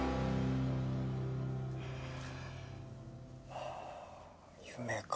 はぁ夢か。